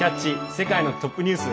世界のトップニュース」